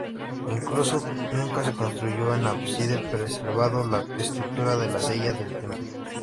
Incluso nunca se construyó un ábside, preservando la estructura de la "cella" del templo.